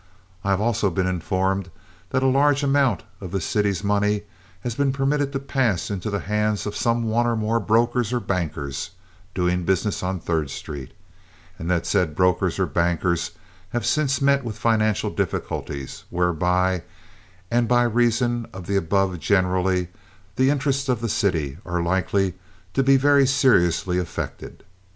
I have also been informed that a large amount of the city's money has been permitted to pass into the hands of some one or more brokers or bankers doing business on Third Street, and that said brokers or bankers have since met with financial difficulties, whereby, and by reason of the above generally, the interests of the city are likely to be very seriously affected.